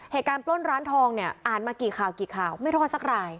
เหตุการณ์ปล้นร้านทองเนี่ยอ่านมากี่ข่าวไม่ทอดสักราย